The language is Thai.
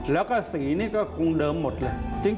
แล้วก็สีนี่ก็คงเดิมหมดเลย